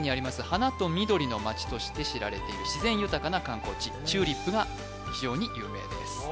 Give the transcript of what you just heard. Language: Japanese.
「花と緑のまち」として知られている自然豊かな観光地チューリップが非常に有名です